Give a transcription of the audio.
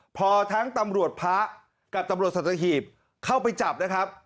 พอทั้งตำรวจพระกับตำรวจสัตหีบเข้าไปจับนะครับ